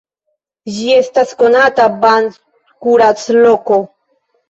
Ĝi estas konata ban-kuracloko.